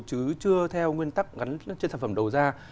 chứ chưa theo nguyên tắc gắn trên sản phẩm đầu ra